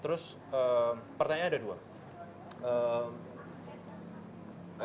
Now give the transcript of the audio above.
terus pertanyaannya ada dua